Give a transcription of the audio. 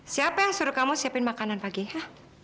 siapa yang suruh kamu siapin makanan pagi ha